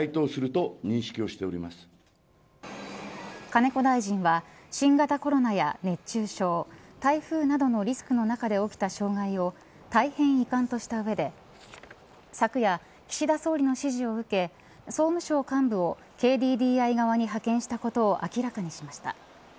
金子大臣は新型コロナや熱中症台風などのリスクの中で起きた障害を大変遺憾とした上で昨夜、岸田総理の指示を受け総務省幹部をＫＤＤＩ側に派遣したことを明らかにしました。